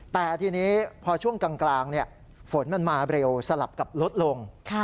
แต่ทีนี้พอช่วงกลางฝนมันมาเร็วสลับกับลดลง